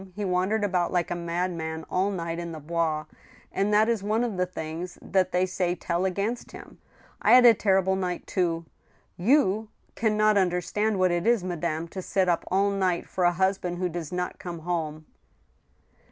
He wandered about like a madman all night in the Bois, and that is one of the things that they say tell against him. ... I had a terrible night too. ... You can not un derstand what it is, madame, to sit up all night for a husband who does not come home